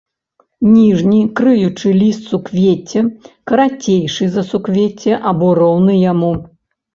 Ніжні крыючы ліст суквецця карацейшы за суквецце або роўны яму.